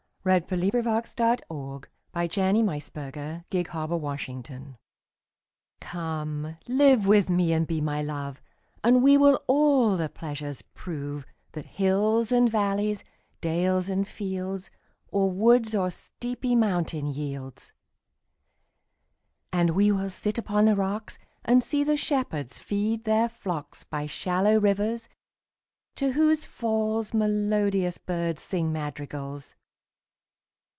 1564–93 121. The Passionate Shepherd to His Love COME live with me and be my Love, And we will all the pleasures prove That hills and valleys, dales and fields, Or woods or steepy mountain yields. And we will sit upon the rocks, 5 And see the shepherds feed their flocks By shallow rivers, to whose falls Melodious birds sing madrigals.